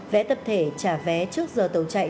vé tập thể trả vé trước giờ tàu chạy